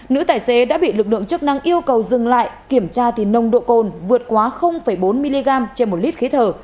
nữ tài xế đã bị lực lượng chức năng yêu cầu dừng lại kiểm tra thì nồng độ cồn vượt quá bốn mg trên một lít khí thở